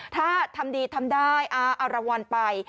ถ้าทำดีทำได้เอารางวัลไป